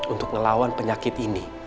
untuk ngelawan penyakit ini